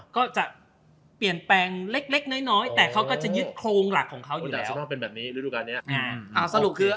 ก็จะเปลี่ยนแปลงเล็กน้อยแต่เขาก็จะยึดโครงหลักของเขาอยู่แล้ว